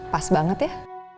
pas banget ya